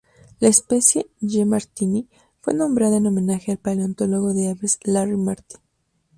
La especie "Y. martini" fue nombrada en homenaje al paleontólogo de aves Larry Martin.